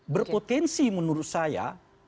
berpotensi menurut saya